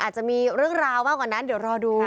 อาจจะมีเรื่องราวมากกว่านั้นเดี๋ยวรอดู